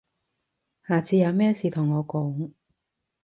下次有咩事同我講